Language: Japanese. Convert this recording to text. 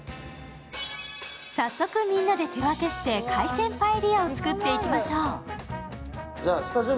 早速、みんなで手分けして海鮮パエリアを作っていきましょう。